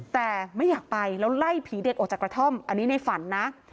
แต่ไม่อยากไปแล้วไล่ผีเด็กออกจากกระท่อมอันนี้ในฝันนะ